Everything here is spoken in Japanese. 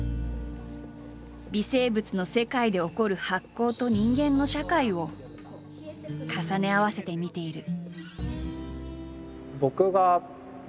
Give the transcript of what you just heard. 微生物の世界で起こる発酵と人間の社会を重ね合わせて見ている。